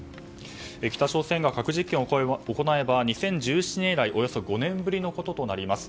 北朝鮮が核実験を行えば２０１７年以来およそ５年ぶりのこととなります。